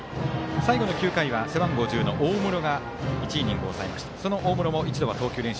最後の９回は背番号１０の大室が１イニングを抑えました。